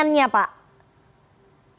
kelompok apa kelompok apa jaringannya pak